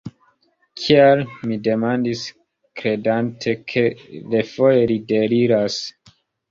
Kial? mi demandis, kredante ke refoje li deliras.